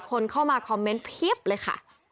คนเข้ามาคอมเมนต์เพียบเลยค่ะ